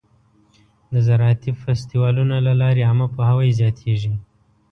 د زراعتي فستیوالونو له لارې عامه پوهاوی زیاتېږي.